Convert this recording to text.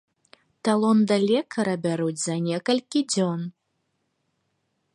Талон да лекара бяруць за некалькі дзён.